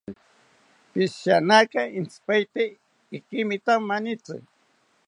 Psihiyanaka entzipaete ikimita manitzi